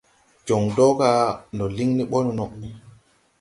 Jɔŋ dɔga ndɔ liŋ ni ɓɔ nono.